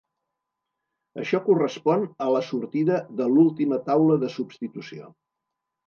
Això correspon a la sortida de l'última taula de substitució.